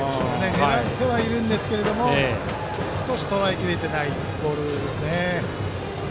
狙ってはいるんですけど少しとらえ切れていないボールです。